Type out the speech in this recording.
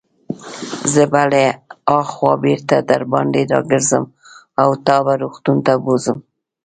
زه به له هاخوا بیرته درباندې راګرځم او تا به روغتون ته بوزم.